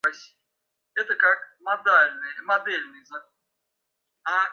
Liaj interesoj variis de lingvistiko, astronomio kaj filozofio ĝis belarto, muziko kaj radio-amatoreco.